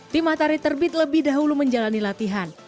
tim matahari terbit lebih dahulu menjalani latihan